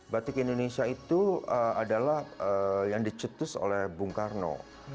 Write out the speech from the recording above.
batik indonesia itu adalah yang dicetus oleh bung karno